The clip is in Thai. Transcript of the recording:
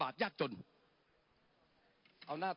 ปรับไปเท่าไหร่ทราบไหมครับ